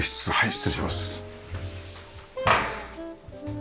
失礼します。